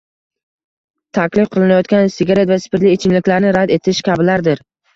taklif qilinayotgan sigaret va spirtli ichimlikni rad etish kabilardir.